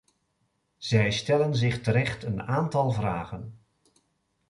Zij stellen zich terecht een aantal vragen.